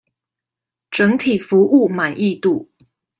整體服務滿意度